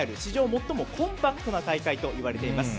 最もコンパクトな大会といわれています。